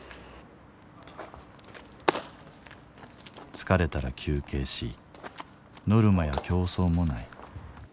疲れたら休憩しノルマや競争もない。